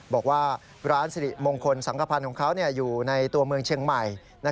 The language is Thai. บอกว่าร้านสิริมงคลสังขพันธ์ของเขาอยู่ในตัวเมืองเชียงใหม่